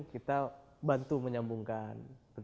kita bantu menyambungkan